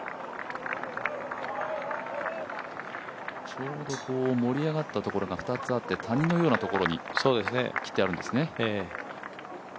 ちょうど盛り上がったところが２つあって、谷のようなところに切ってあるんですね。